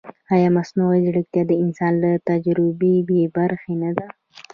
ایا مصنوعي ځیرکتیا د انسان له تجربې بېبرخې نه ده؟